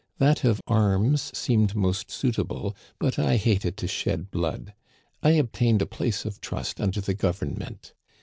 That of arms seemed most suitable, but I hated to shed blood. I obtained a place of trust under the government.